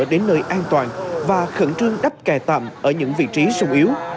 đến nơi an toàn và khẩn trương đắp kè tạm ở những vị trí sung yếu